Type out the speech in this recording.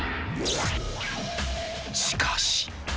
［しかし］